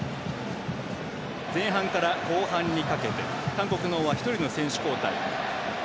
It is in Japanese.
前半から後半にかけて韓国の方は１人の選手交代。